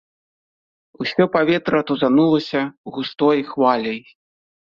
Усё паветра тузанулася густой хваляй.